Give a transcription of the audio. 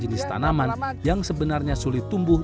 jenis tanaman yang sebenarnya sulit tumbuh